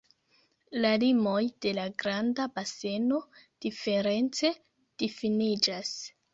La limoj de la Granda Baseno diference difiniĝas.